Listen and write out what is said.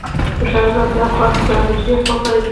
په شهر نو کې هم له پارک سره نژدې اسمان ښکاري.